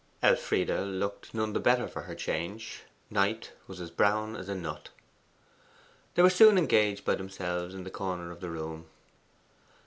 Elfride looked none the better for her change: Knight was as brown as a nut. They were soon engaged by themselves in a corner of the room.